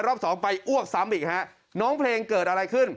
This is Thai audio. รอบสองไปอ้วกซ้ำอีกฮะน้องเพลงเกิดอะไรขึ้น